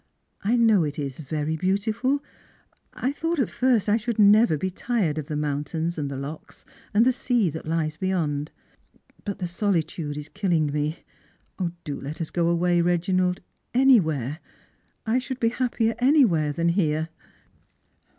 I know it is very beautiful. I thought at first I should never be tired of the mountains and the loch, and the sea that lies beyond; but the solitude is killing me. Do let us go away, Reginald, anywhere. I should be happier anywhere than here."